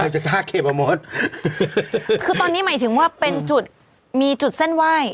จะกล้าเคปะมดคือตอนนี้หมายถึงว่าเป็นจุดมีจุดเส้นไหว้